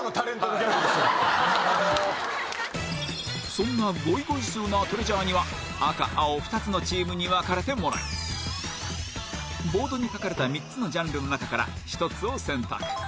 そんなゴイゴイスーな ＴＲＥＡＳＵＲＥ には赤青２つのチームに分かれてもらいボードに書かれた３つのジャンルの中から１つを選択